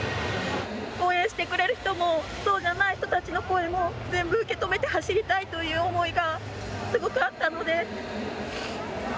応援してくれる人もそうじゃない人の声も全部受け止めて走りたいという思いがすごくあったので。